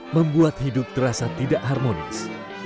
membuat hidup terasa tidak harmonis